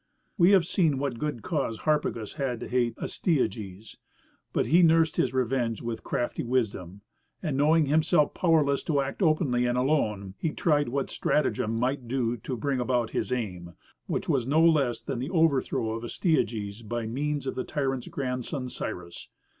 We have seen what good cause Harpagus had to hate Astyages. But he nursed his revenge with crafty wisdom, and knowing himself powerless to act openly and alone, he tried what stratagem might do to bring about his aim, which was no less than the overthrow of Astyages by means of the tyrant's grandson, Cyrus.